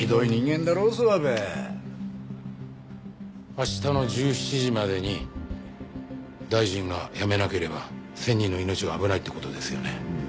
明日の１７時までに大臣が辞めなければ１０００人の命が危ないって事ですよね？